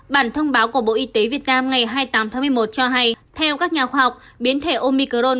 bản thông báo của bộ y tế việt nam ngày hai mươi tám tháng một mươi một cho hay theo các nhà khoa học biến thể omicron